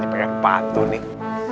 ini pegang patuh nih